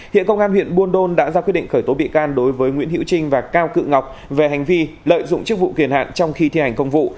hiện công an huyện buôn đôn đã ra quyết định khởi tố bị can đối với nguyễn hữu trinh và cao cự ngọc về hành vi lợi dụng chức vụ kiền hạn trong khi thi hành công vụ